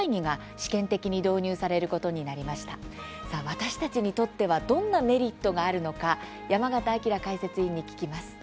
私たちにとってどんなメリットがあるのか山形晶解説委員に聞きます。